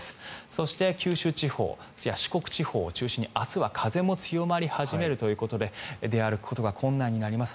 そして九州地方や四国地方を中心に明日は風も強まり始めるということで出歩くことが困難になります。